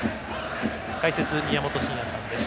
解説は宮本慎也さんです。